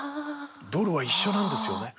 ドルは一緒なんですよね。